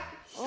oh pak dayat